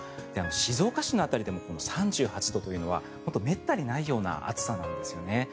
静岡市の辺りでも３８度というのはめったにないような暑さなんですよね。